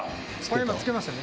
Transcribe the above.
今付けましたね。